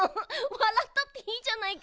わらったっていいじゃないか。